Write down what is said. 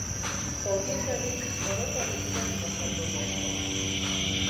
Horietarik orotarik zer ikasten dugu?